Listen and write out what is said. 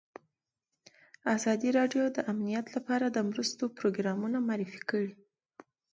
ازادي راډیو د امنیت لپاره د مرستو پروګرامونه معرفي کړي.